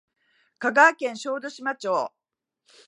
香川県小豆島町